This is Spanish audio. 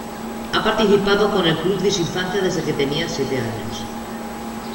Ha participado con el club de su infancia desde que tenía siete años.